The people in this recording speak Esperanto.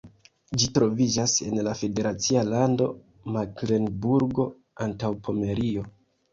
Ĝi troviĝas en la federacia lando Meklenburgo-Antaŭpomerio.